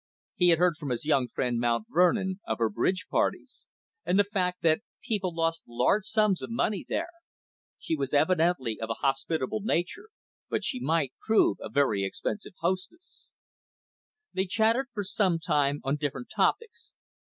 He had heard from his young friend Mount Vernon of her bridge parties, and the fact that people lost large sums of money there. She was evidently of a most hospitable nature, but she might prove a very expensive hostess. They chatted for some time on different topics.